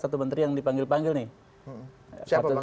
satu menteri yang dipanggil panggil nih